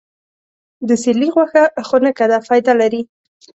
د سیرلي غوښه خونکه ده، فایده لري.